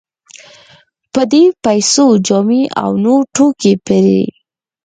په دې پیسو جامې او نور توکي پېري.